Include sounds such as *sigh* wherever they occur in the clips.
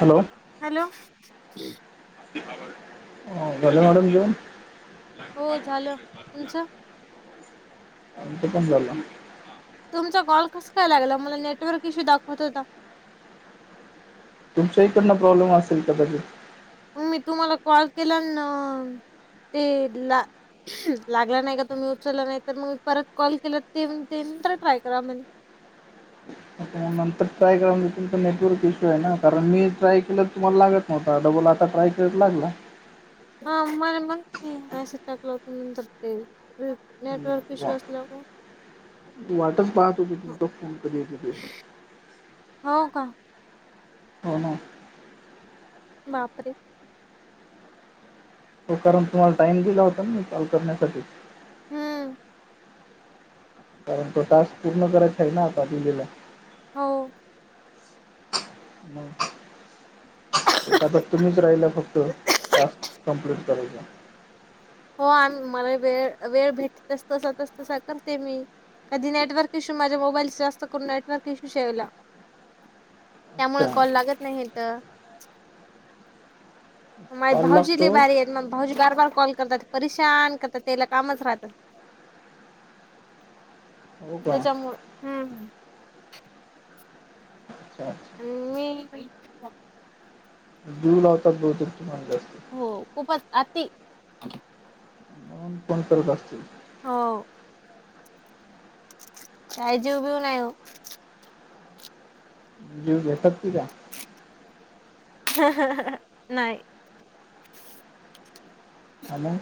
Hello. Hello. *inaudible* घेऊन हो झालं, तुमचं? आमच पण झालं. तुमचा कॉल कसं काय लागला मला नेटवर्क इश्यू दाखवत होता. तुमच्याहीकडंन प्रॉब्लेम असेल कदाचित. मी तुम्हाला कॉल केला ना तीन ला लागला नाही का तुम्ही उचलला नाही तर मग म परत कॉल केला ते ते परत ट्राय करा म्हणे. नंतर ट्राय कराय म्हणे तुमचा नेटवर्क इश्यू आहे ना कारण मी ट्राय केलं तुम्हाला लागत नव्हता डबल आता ट्राय करत लागला. हा म मग नाही मेसेज टाकला होता नंतर ते नेटवर्क इश्यू असल्यामुळं मी वाटच पाहत होतो तुमचा फोन कधी येतो ते. हो का? हो ना. बापरे! हो कारण तुम्हाला टाइम दिला होता ना मी कॉल करण्यासाठी. हम्म. कारण तो टास्क पूर्ण करायचा आहे ना आता दिलेला. हो हॅलो आता तुम्हीच राहिला फक्त टास्क कमप्लीट करायच हो आम् मला वेळ वेळ भेट तस तसा तस तसा करते मी कधी नेटवर्क इश्यू माझ्या मोबाईलचा जास्त करून नेटवर्क इशू शेवला *inaudible* त्यामुळे कॉल अच्छा लागत नाहीेत इथ माय कॉल भाऊजी लय लागतो भारी आहेत मला भाऊजी बार बार कॉल करतात परे शान करतात त्याला कामच राहतात हो का त्याच्यामुळे हम्म अच्छा अच्छा मी जीव लावतात भुवतेक तुमाला जास्ती हो खूपच आती म्हणून फोन करत असतील हो काय जीव बीव नाही ओ जीव घेतात की काय ह ह ह नाही आणि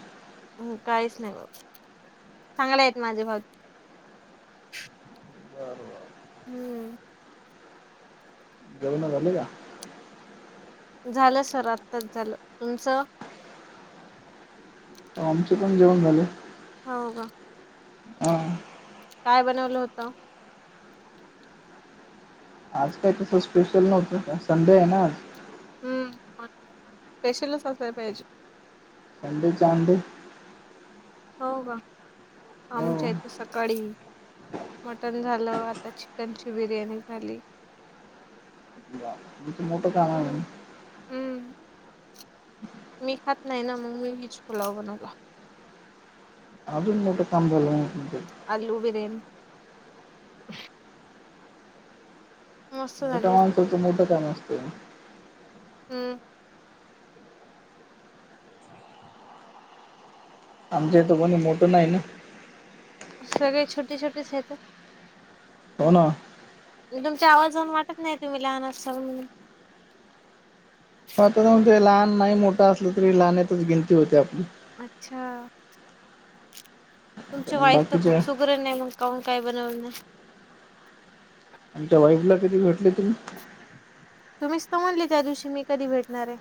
काहीच नाही बाबा चांगले आहेत माझे भाऊ हम्म जेवण झाली का झालं सर आत्ताच झालं तुमचं हो, आमचे जेवण झाले हो का हा काय बनवलं होत आज काय तसं स्पेशल नव्हतं संडे आहे ना आज हो स्पेशल च असायला पाहिजे *inaudible* ं हो का हो आमच्या इथ सकाळी मटन झालं आता चिकनची बिर्याणी झाली हम्म *inaudible* हम्म मी खात नाही ना मग मी विच फुलाव बनवला अजून मोठं काम झाला आलू बिर्यानी मस्त झाली मोठा होती. माणसातो मोठा काम असतो हम आमच्याइथ कोणी मोठं नाही ना सगळे छोटी छोटीच आहेत हो ना तुमचा आवाज जाऊन वाटत नाही तुम्ही लहान असाल म्हणून आताणजे लहान नाही मोठं असलं तरी लहाानतच गिंती होते आपली अच्छा तुमची कारण वाईफ तर खूप बाकीचे सुगरण आहे मग काून काय बनव नाही आणि त्या वाईफ ला कधी भेटले तुम्ही? तुम्हीच तर म्हणली त्या दिवशी मी कधी भेटणार आहे?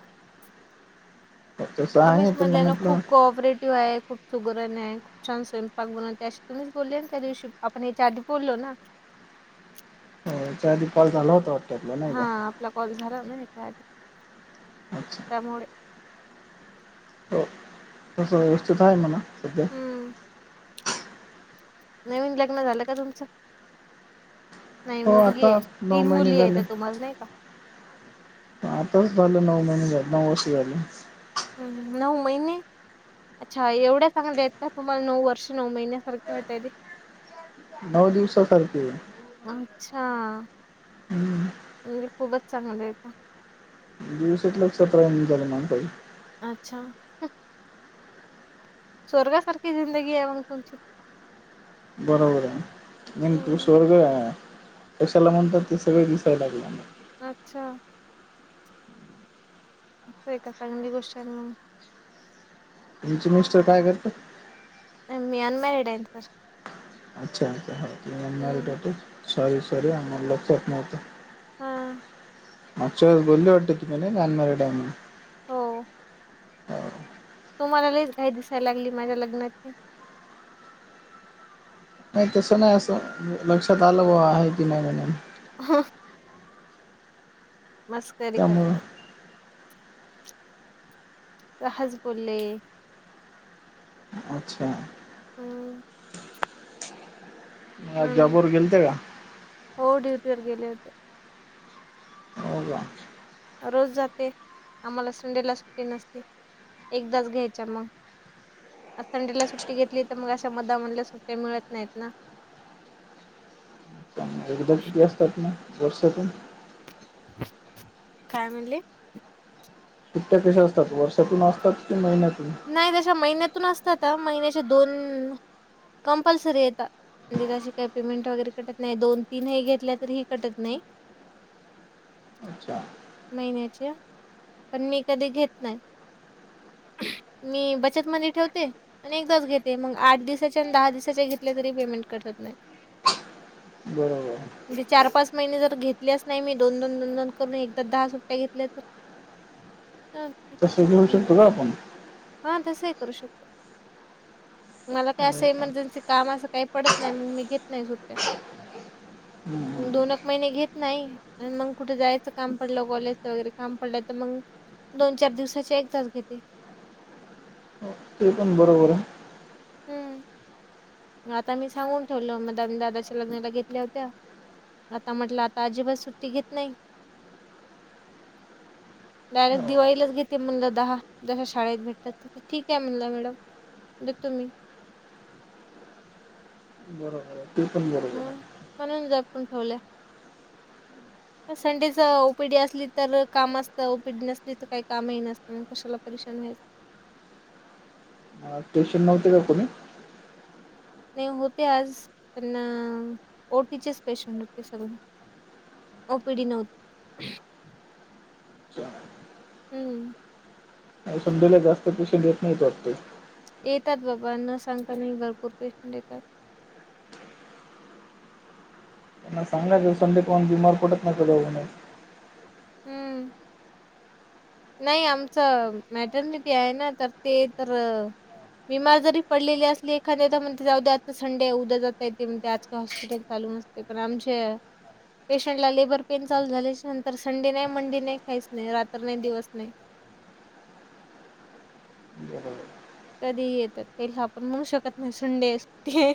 तसं तुम्हीच आहे पण म्हणले ना म्हटलं खूप कोऑपरेटिव्ह आहे खूप सुगरण आहे छान स्वयंपाक बनवते अशे तुम्हीच बोलले ना त्या दिवशी आपण याच्या आधी बोललो ना.. त्याच्या आधी कॉल झाला होता वाटत नाही हा का? आपला कॉल झाला नाही *inaudible* त्याधी अच्छा. त्यामुळे हो. तसं व्यवस्थित आहे म्हणा सध्या हम्म.. नवीन लग्न झालं का तुमचं? नाही हो मुलगी आता आहे नऊ तीन महिने मुली आहे झाले. त्या तुम्हाला नाही का? आताच झालं नऊ महिने झाले नऊ वर्ष झाले. हम्.. नऊ महिने! अच्छा एवढ्या चांगल्या आहेत का तुम्हाला नऊ वर्ष नऊ महिन्यासारखे वाटायला ते.. नऊ दिवसासारखे.. अच्छा हं. म्हणजे खूपच चांगलं आहेे का? दिवसच लक्षात राहिना झाल्यात माणसाच्या आ अच्छा स्वर्गासारखी जिंदगी आहे म्हण तुची बरोबर आहे नि तू हम्म स्वर्ग आहे... कशाला म्हणतात ते सगळे दिसाय लागल अच्छा असये का चांगली गोष्ट ये ना मग तुमचे मिस्टर काय करतात? मी अनमारिडे आहे सर.. अच्छा अच्छा तुमी हम्म अनमॅरीड.. सॉरी सॉरी मला लक्षात नव्हत. हा मागच्या वेळी बोलल्या होत्या तु मला मी अनमॅरीड ये म्हणून हो *unintelligible* तुम्हाला लइच घाई दिसायला लागली माझ्या लग्नाची नायी तस नायी अस लक्षात आल ब्वा आहे की नाही म्हणून हं, मस्करी त्यामुळं करतात सहज बोलले अच्छा हम्म आज जॉब म्हणून वर गेलते का? हो ड्यूटीवर गेले होते. हो का? रोज जाते आम्हाला संडेला सुट्टी नसते एकदाच घ्यायच्या मग संडेला सुट्टी घेतली तर मग अशा मदामनला सुट्ट्या मिळत नाहीत ना. मग एकदा किती असतात म? वर्षातून काय म्हणले? सुट्या कशा असतात वर्षातून असतात की महिन्यातून? नाइ तश्या महिन्यातून असतात ह महिन्याचे दोन कंपल्सरी येता म्हणजे काय पेमेंट वगैरे कटत नाही दोन तीनही घेतल्या तरी ही कटत नाही *inaudible* अच्छा महिन्याच्या पण मी कधी घेत नाय मी बचत मध्ये ठेवते अणि एकदाच घेते मग आठ दिवसाचे आणि दहा दिवसाचे घेतले तरी पेमेंट कट होत नायी. बरोबर म्हणजे चार पाच महिने जर घेतल्याच नायी मी दोन दोन दोन दोन करून एकदा दहा सुट्ट्या घेतल्या तर *unintelligible* तस घेऊ शकतो का आपण? हा तसही करू शकतो. मला काय अस हो का इमर्जन्सी काम अस काही पडत नाही, मग मी घेत नायी सुट्ट्या हम्म, हम्म. दोन एक महिने घेत नायी आण मंग कुठे जायच काम पडल कॉलेजच वगैरे काम पडल तर मंग दोन चार दिवसाचे एकदाच घेते. हो, ते पण बरोबर आहे हम्म आता मी सांगून ठेवल मंग द दादाच्या लग्नाला घेतल्या होत्या आता म्हटलं आता अजिबात सुट्टी घेत नायी *inaudible* डायरेक्ट हो, दिवाळीलाच घेते म्हणल दहा जशा शाळेत भेटतात तस, ठीक आहे म्हटल मॅडम देतो मी. बरोबर आहे, ते पण बरोबर म्हणून आहे. म्हणून जपून ठेवल्या *unintelligible* संडेच ओपीडी असली तर काम असतं, ओपीडी नसली तर काही कामही नसतं. मग कशाला परेशान व्हायचं आ स्टेशन नव्हते का कोणी नाही होते आज, पण ना ओटीचेच पेशंट होते सगळें. ओपीडी नव्हत अच्छा. हम्म. संडेला जास्त पेशंट होत नाहीत वाटत? येतात बाबा न सांगता ही भरपूर पेशंट येतात चांगल्या दिवसांले कोण बिमार पडत नाहीत का दवाखान्यात हम्म नाही आमचं मॅटर्निटी आहे ना, तर ते तर बीमार जरी पडलेली असली एखाध्ये तर म्हणते जाऊद्या आज संडे आहे, उद्या जाताय ते म्हणतें आज काय हॉस्पिटल चालू नस ते पन आमच्या पेशंट ला लेबर पेन चालू झाल्याच्या नंतर संडे नाही मंडे नाही काहीच नाही रात्र नाही दिवस नाही बरोबर. कधी येतात तेला आपण म्हणू शकत नाही, संडे आहे सुट्टी आहे.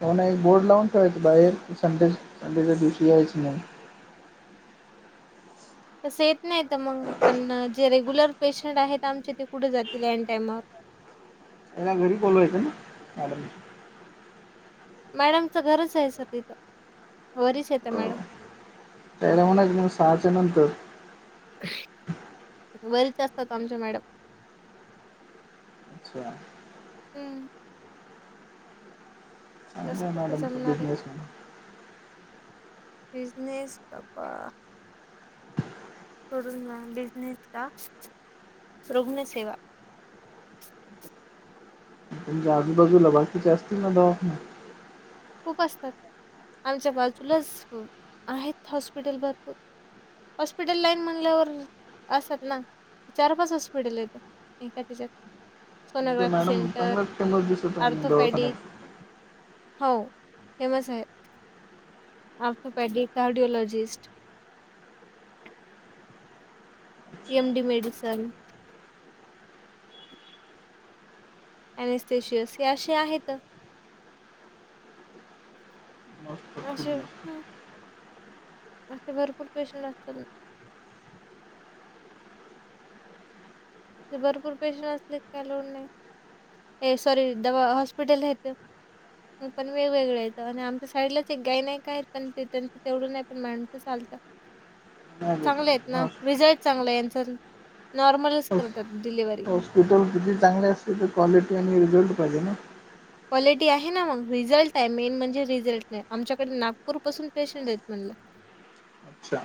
काही नाही एक बोर्ड लावून ठेवायच बाहेर संडे सु संडेच्या दिवशी यायच नाही. तसं येत नाही तर मंग पण जे रेग्युलर पेशंट आहेत आमचे ते कुठे जातील ऐन टाइमवर. त्यांना घरी बोलवायचं ना मॅडमनी मॅडमच घरच आहे सध्या हित, वरीच आहेत मॅडम त्यायला म्हणायच मग सहाच्या नंतर वरिच असतात आमच्या मॅडम. अच्छा. हम्म. चांगलं कसं आहे कसं मॅडम तो जमणार आहे बिझनेस बिजनेस बापा सोडून मॅडम बिझनेस का रुग्णसेवा तुमच्या, आजूबाजूला बाकीचे असतील ना दवाखाने खूप असतात आमच्या बाजूलाच आहेत हॉस्पिटल भरपूर हॉस्पिटल लाईन म्हणल्यावर, असतात ना चार पाच हॉस्पिटल येतं एखाच्या तुमच्या सोनोग्राफी मॅडम सेंटर चांगलाच फेमस दिसत आहे आर्थोपॅडिक दवाखान्यात हो फेमस आहे आर्थोपॅडी कार्डिओलॉजिस्ट एम डी मेडिसन अनस्शियस हे असे आहेत मस्त खूप अशे व मस्त असे भरपूर पेशंट असताना भरपूर पेशंट असले काय लोड नाही सॉरी दवा हॉस्पिटल आहे ते पण वेगवेगळं येतं आणि आमच्या साईटला एक गाई नाही काय आहेत पण ते त्यांचं तेवढं नाही पण मॅडमच चालतं. ह चांगले आहेत ना रिझल्ट चांगला यांच नॉर्मलच हॉस- करतात डिलिव्हरी हॉस्पिटल किती चांगले असतील ते क्वालिटी आणि रिझल्ट पाहिजे ना. क्वालिटी आहे ना मग रिझल्ट आहे मेन म्हणजे रिझल्ट आमच्याकडे नागपूर पासून पेशंट आहेत म्हणलं. अच्छा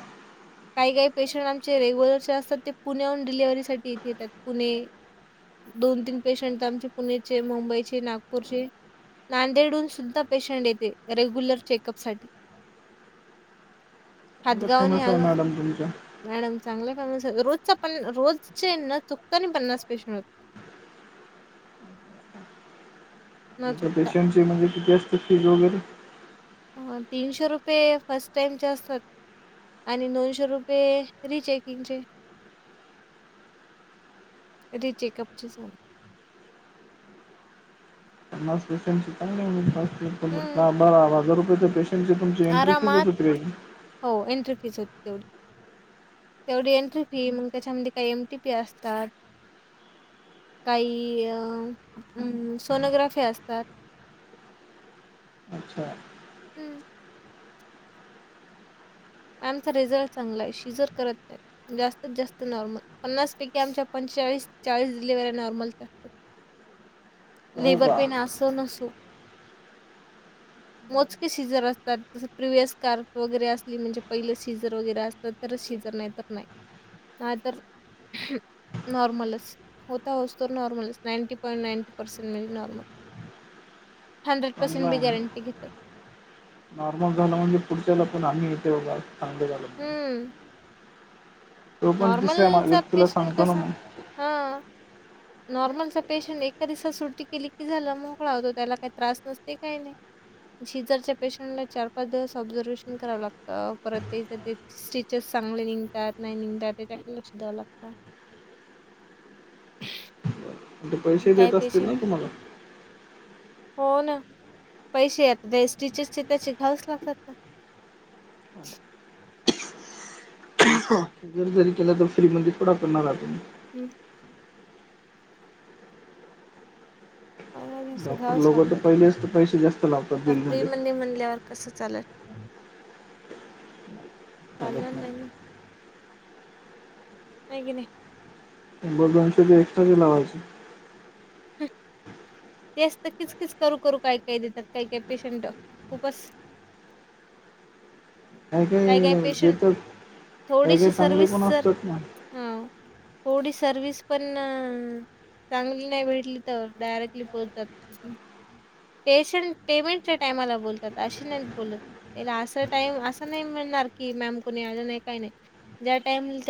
काही काही पेशंट आमचे रेग्युलर जे असतात ते पुण्याहून डिलिव्हरीसाठी इथे येतात पुणे दोन तीन पेशंट आमचे पुणेचे मुंबईचे नागपूर नागपूरचे नांदेडून सुद्धा पेशंट येते रेग्युलर चेकअप साठी हातगावहून हे फेमस आहे आज मॅडम तुमच्या मॅडम चांगल्या फॅमिस रोज पन्नास, रोजचे न चुकता आणि पन्नास पेशंट होतात. न एका चुकता. पेशंटची म्हणजे किती असतते फी वगैरे तीनशे रुपये फर्स्ट टाइमचे असतात आणि दोनशे रुपये रिचेकिंगचे रि चेकअपचे सार पन्नास पेशंटची चांगली, हं, का मी हजार रुपये तर पेशंटचे तुमची एंट्री कुठे आरामात होती उतरायची हो एंट्री फीस होती तेवढी तेवढी एंट्री फी मग त्याच्यामध्ये काही एमटी पी असतात काही अ सोनोग्राफी असतात अच्छा हुं मॅमचा रिझल्ट चांगला आहे शिजर करत नाही जास्तीत जास्त नॉर्मल पन्नास पैकी आमच्या पंचेचाळीस चाळीस डिलिव्हरी नॉर्मल. हो लेबर पेन अस नसो ह मोजके सीझर असतात प्रिवयस कार वगैरे असली म्हणजे पहिले सीझर वगैरे असतात तरच शिजर नाही तर नाही नाही तर नॉर्मलस होता वसतो नॉर्मलस नाईन्टी पॉईंट नाईन्टी हाड्रेड चांगला पर्सेंट भी आहे गॅरट्री घेते नॉर्मल झालं म्हणजे पुढच्याला पण आम्ही येते बघा चांगले झालो हं तो पण तिसऱ्या मा- नॉर्मलचा व्यक्तीला पेशंट सांगतो ना कसा. मग हा. *unintelligible* नॉर्मलचा पेशंट एका दिवसात सुट्टी केली की झालं, मोकळा होतो. त्याला काही त्रास नसते काही नाही. शिजरच्या पेशंटला चार- पाच दिवस ऑब्झर्वेशन करावं लागतं, परत तेच, ते स्टीचस चांगले निघतात, नाही निघतात त्याच्याकडे लक्ष ध्यावं लागत. पण ते पैसे काही देत असतील ना पेशंट तुम्हाला *unintelligible* जरी केलं तर, फ्री मध्ये थोडा करणार आपण. हम्. *unintelligible* डॉक्टरलोक तर लागतात पहिलेच तर पैसे जास्त लावतात. बिल म्हणजे नही म्हणल्यावर. कस चालेल? चालणार नाही ना. नाहीे कणी? मग दोनशेच एक्ट्रा बिल लावाजची. ते असत किच -किच, करू- करू, काय -काय देत्यात काही काय पेशंट. खूपच काही काय काय -काही पेशंट देतात, काही -काही थोडीशी चांगले सर्विस पण जर असतात ना. हा थोडी सर्विस पण चांगली नाही भेटली तर, डायरेक्टली पोहचतात. पेशट, पेमेंटच्या टायमाला बोलतात, अशी नाही बोलत. अस टाइम अस असे नाही मिळणार की मॅम कुणी आल नाही काय नाही. ज्या टाइमला ते